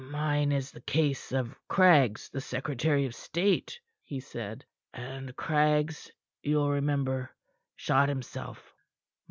"Mine is the case of Craggs, the secretary of state," he said. "And Craggs, you'll remember, shot himself."